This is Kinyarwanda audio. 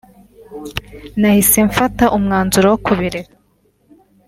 nahise mfata umwanzuro wo kubireka